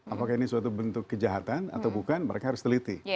apakah ini suatu bentuk kejahatan atau bukan mereka harus teliti